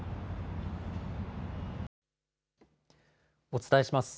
お伝えします。